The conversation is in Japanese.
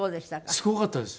すごかったです。